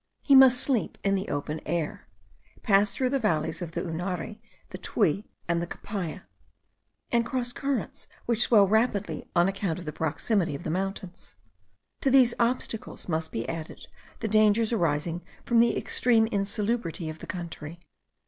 He must sleep in the open air, pass through the valleys of the Unare, the Tuy, and the Capaya, and cross torrents which swell rapidly on account of the proximity of the mountains. To these obstacles must be added the dangers arising from the extreme insalubrity of the country.